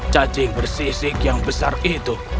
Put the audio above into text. cacing bersisik yang besar itu